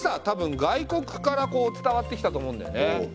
多分外国から伝わってきたと思うんだよね。